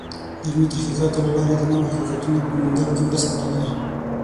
د علمي تحقیقاتو له لارې د نوو حقیقتونو په موندلو کې مرسته کېږي.